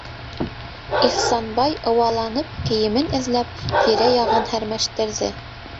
- Ихсанбай, ыуаланып, кейемен эҙләп, тирә- яғын һәрмәштерҙе.